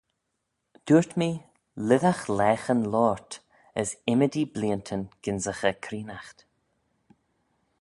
Dooyrt mee, lhisagh laghyn loayrt, as ymmodee bleeantyn gynsaghey creenaght.